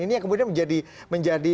ini yang kemudian menjadi